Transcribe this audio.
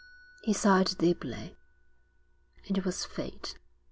He sighed deeply. It was fate.